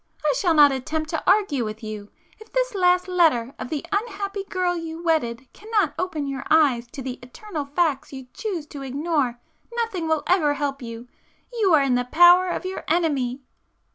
I shall not attempt to argue with you. If this last letter of the unhappy girl you wedded cannot open your eyes to the eternal facts you choose to ignore, nothing will ever help you. You are in the power of your enemy!"